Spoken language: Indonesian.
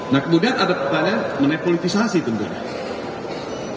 nah kemudian ada pertanyaan menentu politisasi penjualan